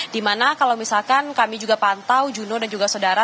dimana kalau misalkan kami juga pantau juno dan juga saudara